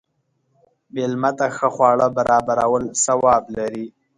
مېلمه ته ښه خواړه برابرول ثواب لري.